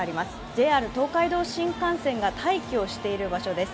ＪＲ東海道新幹線が待機している場所です。